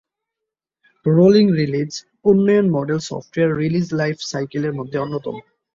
Rolling release উন্নয়ন model software release life সাইকেলের মধ্যে অন্যতম।